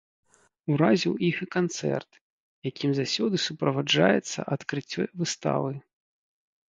Уразіў іх і канцэрт, якім заўсёды суправаджаецца адкрыццё выставы.